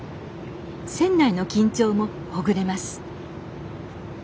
船内の緊張もほぐれます